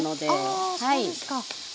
あそうですか。